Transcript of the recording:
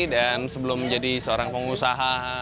dan sebelum menjadi seorang pengusaha